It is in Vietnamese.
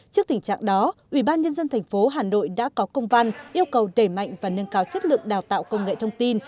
trước tình trạng đó ubnd tp hà nội đã có công văn yêu cầu đẩy mạnh và nâng cao chất lượng đào tạo công nghệ thông tin